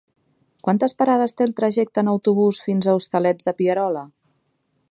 Quantes parades té el trajecte en autobús fins als Hostalets de Pierola?